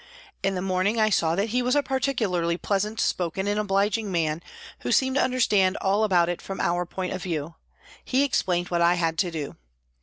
In the morning I saw that he was a particularly pleasant spoken and obliging man, who seemed to understand all about it from our point of view. He explained what I had to do.